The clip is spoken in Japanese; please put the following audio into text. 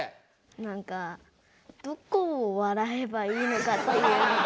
なんかどこを笑えばいいのかっていうのが。